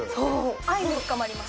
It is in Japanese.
愛も深まります。